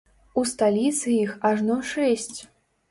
У сталіцы іх ажно шэсць.